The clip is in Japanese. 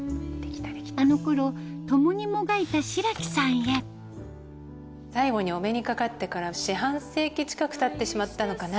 あの頃共にもがいた白木さんへ「最後にお目にかかってから四半世紀近く経ってしまったのかな？